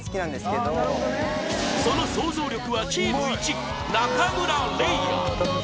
その想像力はチームいち中村嶺亜